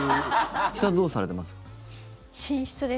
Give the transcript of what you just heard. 岸田さんはどうされてますか？